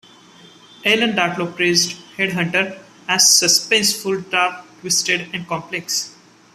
Ellen Datlow praised "Headhunter" as "suspenseful, dark, twisted, and complex.